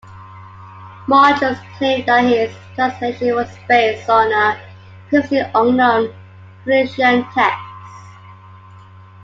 Mardrus claimed that his translation was based on a previously unknown "Tunisian text".